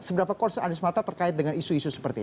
seberapa concern adis mata terkait dengan isu ini